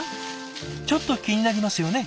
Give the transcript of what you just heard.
ちょっと気になりますよね。